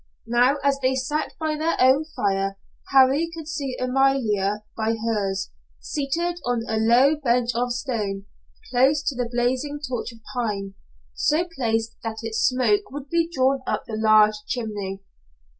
Now, as they sat by their own fire, Harry could see Amalia by hers, seated on a low bench of stone, close to the blazing torch of pine, so placed that its smoke would be drawn up the large chimney.